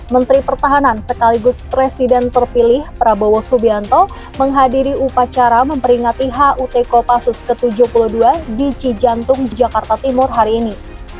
menteri pertahanan sekaligus presiden terpilih prabowo subianto menghadiri upacara memperingati hut kopassus ke tujuh puluh dua di cijantung jakarta timur hari ini